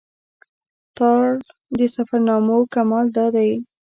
تارړ د سفرنامو کمال دا دی.